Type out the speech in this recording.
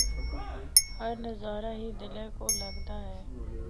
ہر نظارہ ہی دلاّ کو لگدا اے۔